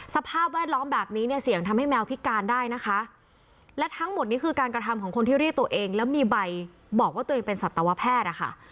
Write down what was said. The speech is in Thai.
สภาพแวดล้อมแบบนี้เนี่ยเสี่ยงทำให้แมวพิการได้นะคะและทั้งหมดนี้คือการกระทำของคนที่เรียกตัวเองแล้วมีใบบอกว่าตัวเองเป็นสัตวแพทย์อะค่ะ